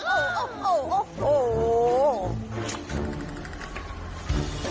โห้ยโห้ยโห้ย